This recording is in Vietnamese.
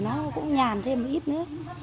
nó cũng nhàn thêm một ít nữa